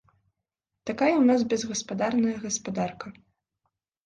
Такая ў нас безгаспадарная гаспадарка.